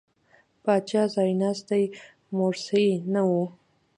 پاچا ځایناستی مورثي نه و.